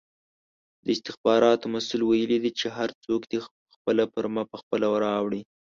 د استخباراتو مسئول ویلې دي چې هر څوک دې خپله فرمه پخپله راوړي!